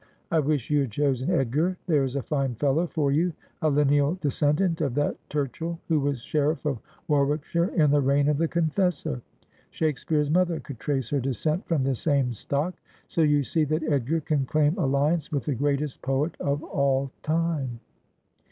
I wish you had chosen Edgar. There is a fine fellow for you, a lineal descendant of that Turchill who was sherifE of Warwickshire in the reign of the Confessor. Shakespeare's mother could trace her descent from the same stock. So you see that Edgar can claim alliance with the greatest poet of all time.'